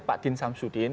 pak din samsudin